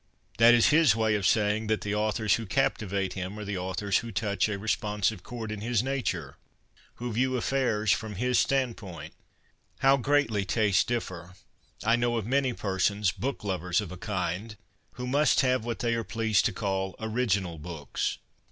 That is his way of saying that the authors who captivate him are the authors who touch a responsive chord in his nature, who view affairs from his standpoint. 55 56 CONFESSIONS OF A BOOK LOVER How greatly tastes differ ! I know of many per sons, book lovers of a kind, who must have what they are pleased to call original books.